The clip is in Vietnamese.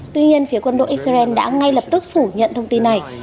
tuy nhiên phía quân đội israel đã ngay lập tức phủ nhận thông tin này